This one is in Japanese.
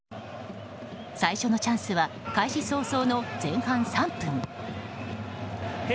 最初のチャンスは開始早々の前半３分。